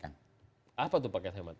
apa tuh paket hemat